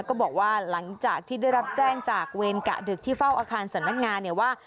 ก็บอกว่าหลังจากที่ได้รับแจ้งจากเวรกะดึกที่เฝ้าอาคารสำนักงานเนี่ยว่า